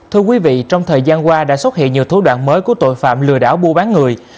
thưa quý vị trong thời gian qua đã xuất hiện nhiều thủ đoạn mới của tội phạm lừa đảo mua bán người